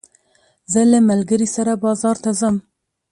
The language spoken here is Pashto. زه له ملګري سره بازار ته ځم.